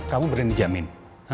kamu berani jamin